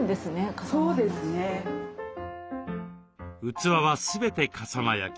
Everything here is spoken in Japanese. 器は全て笠間焼。